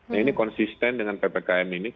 nah ini konsisten dengan ppkm ini